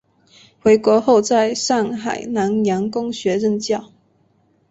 回国后在上海南洋公学任教。